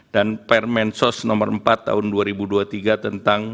dan permensos no empat tahun dua ribu dua puluh tiga tentang